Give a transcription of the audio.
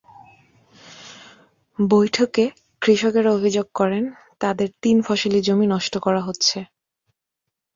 বৈঠকে কৃষকেরা অভিযোগ করেন, তাঁদের তিন ফসলি জমি নষ্ট করা হচ্ছে।